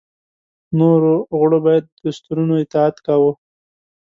نورو غړو به یې دستورونو اطاعت کاوه.